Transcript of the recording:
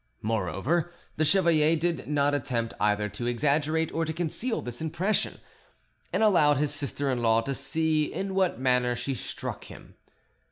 Moreover, the chevalier did not attempt either to exaggerate or to conceal this impression, and allowed his sister in law to see in what manner she struck him.